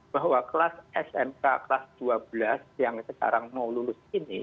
bahwa kelas smk kelas dua belas yang sekarang mau lulus ini